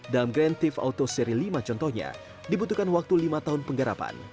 dalam grand tiff auto seri lima contohnya dibutuhkan waktu lima tahun penggarapan